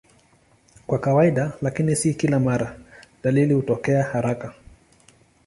Kwa kawaida, lakini si kila mara, dalili hutokea haraka.